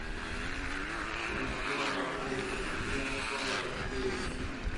Pero notó la falta de bibliografía sobre las orquídeas.